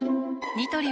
ニトリ